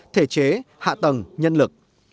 thể chế hạ tầng nhân lực